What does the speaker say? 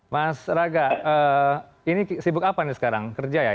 mas raga ini sibuk apa nih sekarang kerja ya